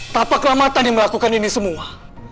tapa kelamatan yang melakukan ini semua